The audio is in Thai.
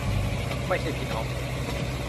ไม่ใช่พี่น้องแท้